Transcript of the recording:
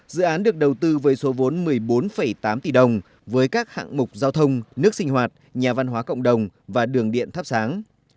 dự án được đầu tư với số vốn một mươi bốn tám tỷ đồng với các hạng mục giao thông nước sinh hoạt nhà văn hóa cộng đồng và đường điện thắp sáng